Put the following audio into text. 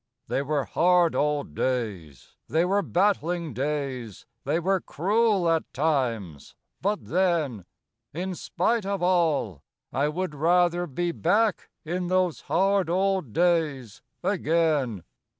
They were hard old days; they were battling days; they were cruel at times but then, In spite of all, I would rather be back in those hard old days again.